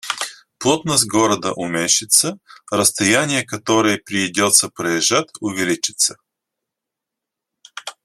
Плотность города уменьшится, расстояния, которые придётся проезжать увеличатся